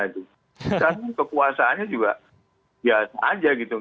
sekarang kekuasaannya juga biasa aja gitu